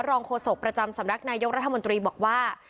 โฆษกประจำสำนักนายกรัฐมนตรีบอกว่า